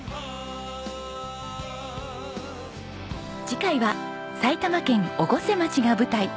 次回は埼玉県越生町が舞台。